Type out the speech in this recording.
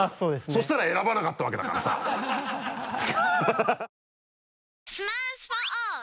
そうしたら選ばなかったわけだからさ